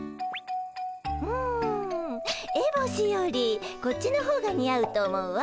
うんえぼしよりこっちの方が似合うと思うわ。